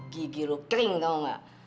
gigi lu kering tau gak